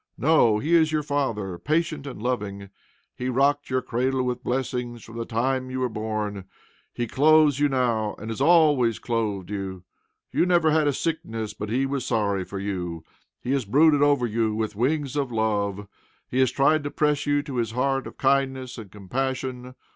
No! He is your Father, patient and loving. He rocked your cradle with blessings, from the time you were born. He clothes you now, and always has clothed you. You never had a sickness but he was sorry for you. He has brooded over you with wings of love. He has tried to press you to his heart of kindness and compassion.